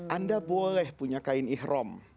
anda boleh punya kain ihrom